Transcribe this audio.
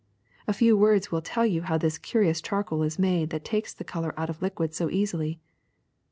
A few words will tell you how this curious charcoal is made that takes the color out of liquids so easily.